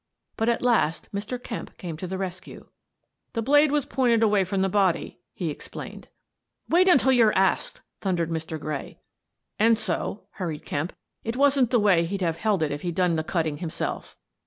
But at last Mr. Kemp came to the rescue. " The blade was pointed away from the body," he explained. "Wait till you're asked!" thundered Mr. Gray. " And so," hurried Kemp, " it wasn't the way he'd have held it if he'd done the cutting himself."